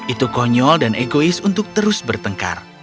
itu konyol dan egois untuk terus bertengkar